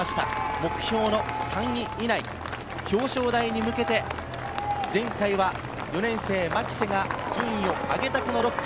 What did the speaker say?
目標の３位以内、表彰台に向けて前回は４年生・牧瀬が順位を上げたこの６区。